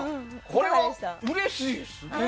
これはうれしいですね。